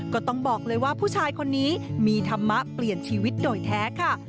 ก็ต้องบอกเลยว่าผู้ชายคนนี้มีธรรมะเปลี่ยนชีวิตโดยแท้ค่ะ